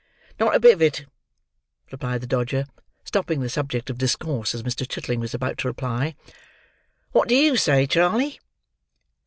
"Not a bit of it," replied the Dodger, stopping the subject of discourse as Mr. Chitling was about to reply. "What do you say, Charley?"